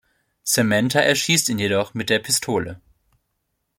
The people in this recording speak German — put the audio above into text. Samantha erschießt ihn jedoch mit der Pistole.